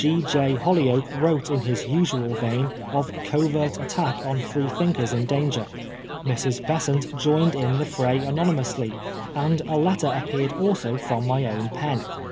G. J. Holyoake wrote in his usual vein of covert attack on Freethinkers in danger. Mrs. Besant joined in the fray anonymously, and a letter appeared fldso from my own pen.